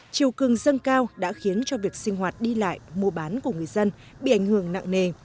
chiều cường dâng cao đã khiến cho việc sinh hoạt đi lại mua bán của người dân bị ảnh hưởng nặng nề